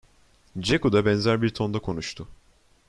Ceku da benzer bir tonda konuştu.